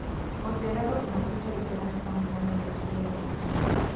Considerado como el centro de cerámica más grande del sur del Perú.